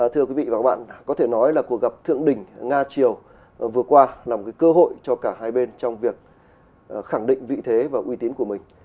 thưa quý vị và các bạn có thể nói là cuộc gặp thượng đỉnh nga triều vừa qua là một cơ hội cho cả hai bên trong việc khẳng định vị thế và uy tín của mình